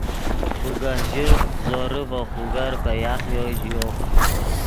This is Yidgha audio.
پوگہہ ژے زورے ڤے خوگر پے یاخیو ژیو